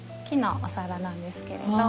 木のお皿なんですけれど。